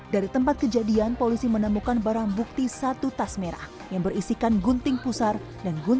dari tempat kejadian polisi menemukan barang bukti satu tas merah yang berisikan gunting pusar dan gunting penahan placenta kapas alkohol perban benang satu tas merah